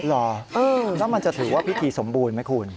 เหรอแล้วมันจะถือว่าพิธีสมบูรณ์ไหมคุณ